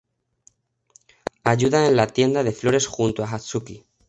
Ayuda en la tienda de flores junto a Hazuki.